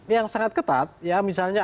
yang sangat ketat ya misalnya